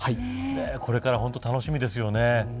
これから本当に楽しみですよね。